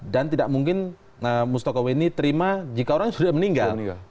dan tidak mungkin mustoko weni terima jika orangnya sudah meninggal